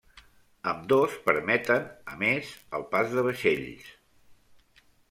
Ambdós permeten, a més, el pas de vaixells.